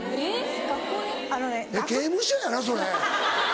・刑務所やなそれ。